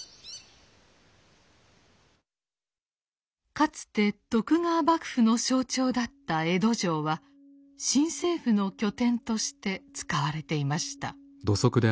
かつて徳川幕府の象徴だった江戸城は新政府の拠点として使われていました。